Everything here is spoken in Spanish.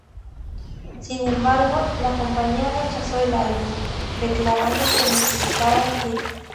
Sin embargo, la compañía rechazó el álbum, declarando que necesitaba un hit.